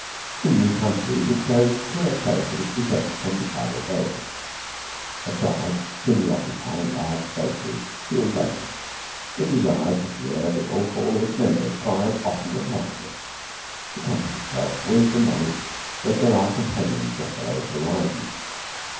In new countries it shows clear trace of its descent from the Tribal Herald. A tribe thinly occupying large spaces feels lonely. It desires to hear the roll call of its members cried often and loudly; to comfort itself with the knowledge that there are companions just below the horizon.